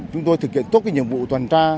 chúng tôi thực hiện tốt nhiệm vụ toàn tra